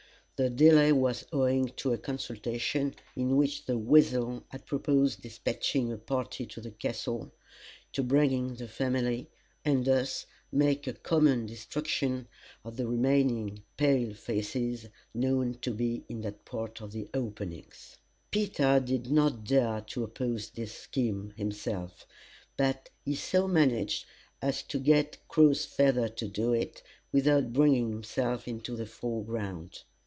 The delay was owing to a consultation, in which The Weasel had proposed despatching a party to the castle, to bring in the family, and thus make a common destruction of the remaining pale faces known to be in that part of the Openings. Peter did not dare to oppose this scheme, himself; but he so managed as to get Crowsfeather to do it, without bringing himself into the foreground.